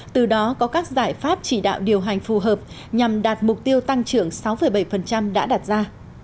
từ đó có các giải pháp chỉ đạo điều hành phù hợp nhằm đạt mục tiêu tăng trưởng sáu bảy đã đạt ra